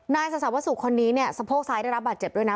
นายสะสาวะสุร์ทคนนี้สะโพกทรายได้รับบาทเจ็บด้วยนะ